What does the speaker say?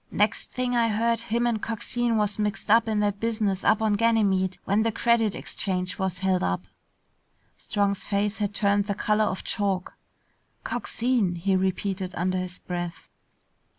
Next thing I heard, him and Coxine was mixed up in that business up on Ganymede when the Credit Exchange was held up." Strong's face had turned the color of chalk. "Coxine!" he repeated under his breath.